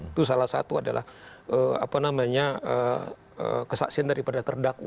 itu salah satu adalah apa namanya kesaksian daripada terdakwa